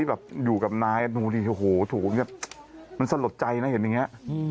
แบบอยู่กับนายมันสะหรับใจนะเห็นอย่างนี้